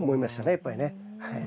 やっぱりね。